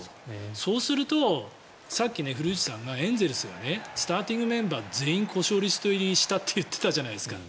そうすると、さっき古内さんがエンゼルスはスターティングメンバー全員故障者リスト入りしたって言ってたじゃないですか。